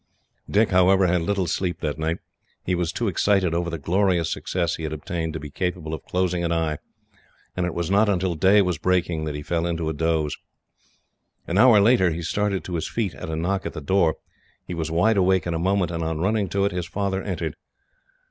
Dick, however, had little sleep that night. He was too excited over the glorious success he had obtained to be capable of closing an eye, and it was not until day was breaking that he fell into a doze. An hour later, he started to his feet at a knock at the door. He was wide awake in a moment, and on running to it, his father entered.